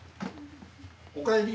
おかえり。